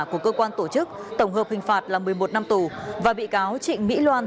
của cơ quan tổ chức tổng hợp hình phạt là một mươi một năm tù và bị cáo trịnh mỹ loan